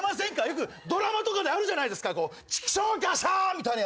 よくドラマとかであるじゃないですか。チクショーガシャーン！みたいなやつ。